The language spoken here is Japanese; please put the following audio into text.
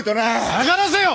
下がらせよ。